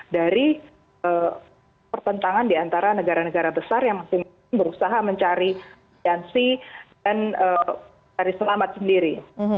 dari perpentangan diantara negara negara besar yang masih berusaha mencari transisi dan selamat sendiri